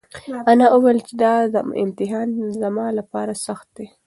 انا وویل چې دا امتحان زما لپاره سخته ده.